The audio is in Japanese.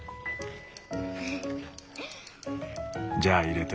じゃあ入れて。